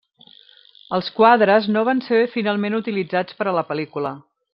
Els quadres no van ser finalment utilitzats per a la pel·lícula.